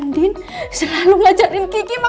bisa menjawab semua pertanyaannya